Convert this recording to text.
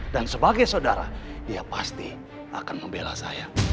dan sebagai saudara dia pasti akan membela saya